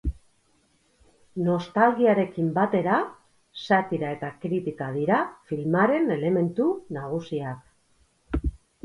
Nostalgiarekin batera satira eta kritika dira filmaren elementu nagusiak.